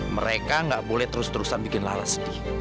mereka gak boleh terus terusan bikin lara sedih